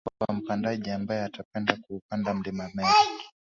Kwa mpandaji ambae atapenda kuupanda mlima Meru